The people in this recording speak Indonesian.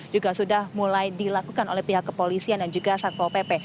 juga sudah mulai dilakukan oleh pihak kepolisian dan juga satpol pp